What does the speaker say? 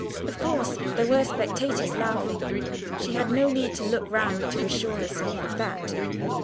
Of course, there were spectators laughing: she had no need to look round to assure herself of that.